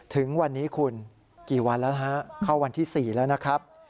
ถึงวันนี้คุณกี่วันแล้วนะฮะเข้าวันที่๔แล้วนะครับ